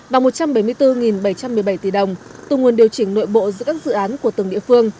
và một trăm bảy mươi bốn bảy trăm một mươi bảy tỷ đồng từ nguồn điều chỉnh nội bộ giữa các dự án của từng địa phương